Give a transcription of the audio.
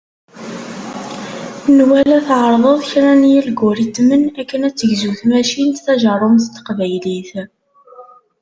Nwala tɛerḍeḍ kra n yilguritmen akken ad tegzu tmacint tajerrumt n teqbaylit.